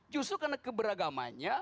jus karena keberagamanya